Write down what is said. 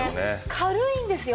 軽いんですよ。